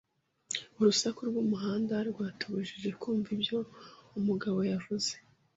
Urusaku rwumuhanda rwatubujije kumva ibyo umugabo yavuze.